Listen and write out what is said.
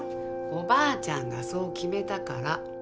おばあちゃんがそう決めたから。